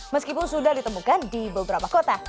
meskipun sudah ditemukan di beberapa kota